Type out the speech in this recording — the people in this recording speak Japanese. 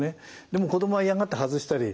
でも子どもは嫌がって外したり。